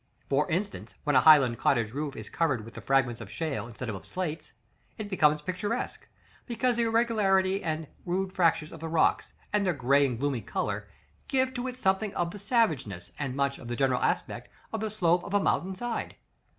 For instance, when a highland cottage roof is covered with fragments of shale instead of slates, it becomes picturesque, because the irregularity and rude fractures of the rocks, and their grey and gloomy color, give to it something of the savageness, and much of the general aspect, of the slope of a mountain side.